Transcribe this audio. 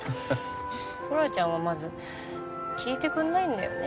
トラちゃんはまず聞いてくれないんだよね